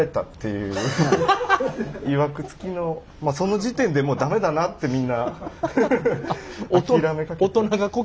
まあその時点でもう駄目だなってみんな諦めかけて。